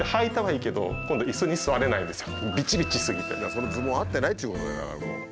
そのズボン合ってないっちゅうことだよだからもう。